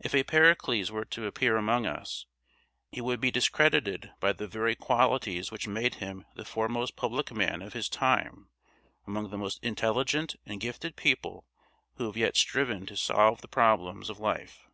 If a Pericles were to appear among us, he would be discredited by the very qualities which made him the foremost public man of his time among the most intelligent and gifted people who have yet striven to solve the problems of life.